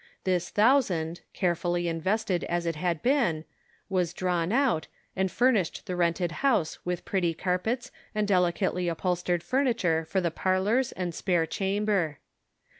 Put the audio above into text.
This thousand, care fully invested as it had been, was drawn out, and furnished the rented house with pretty car pets and delicately upholstered furniture for the parlors and spare chamber.